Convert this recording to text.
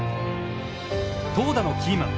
投打のキーマン